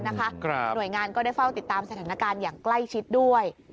หน่วยงานก็ได้เฝ้าติดตามสถานการณ์อย่างใกล้ชิดด้วย